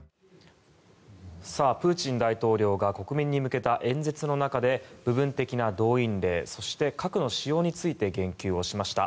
プーチン大統領が国民に向けた演説の中で部分的な動員令そして、核の使用について言及しました。